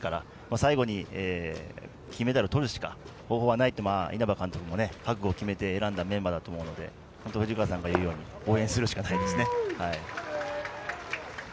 最後に金メダルをとるしか方法はないと稲葉監督も覚悟を決めて選んだメンバーだと思うので藤川さんが言うように応援するしかないですね。